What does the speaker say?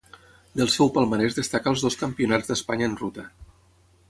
Del seu palmarès destaca els dos Campionats d'Espanya en ruta.